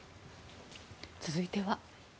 続いては。